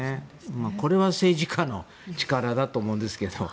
これは政治家の力だと思うんですけど。